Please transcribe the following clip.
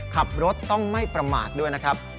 ขับรถต้องไม่ประมาทด้วยนะครับ